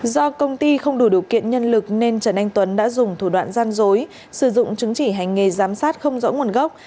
do công ty không đủ điều kiện nhân lực nên trần anh tuấn đã dùng thủ đoạn gian dối sử dụng chứng chỉ hành nghề giám sát không rõ nguồn gốc